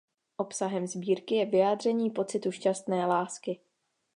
Obsahem sbírky je vyjádření pocitu šťastné lásky.